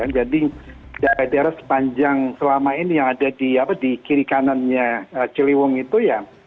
jadi daerah daerah sepanjang selama ini yang ada di kiri kanannya ciliwung itu ya